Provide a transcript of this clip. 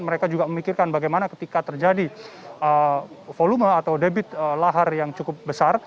mereka juga memikirkan bagaimana ketika terjadi volume atau debit lahar yang cukup besar